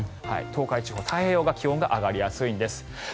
東海地方太平洋側気温が上がりやすいんです。